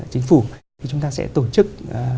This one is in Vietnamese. chính phủ thì chúng ta sẽ tổ chức